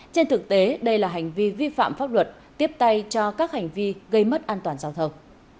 trên thực tế đây là hành vi vi phạm pháp luật tiếp tay cho các hành vi gây mất an toàn giao thông